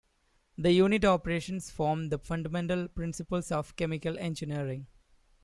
The unit operations form the fundamental principles of chemical engineering.